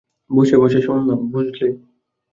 বসে বসে শুনলাম, বুঝলে?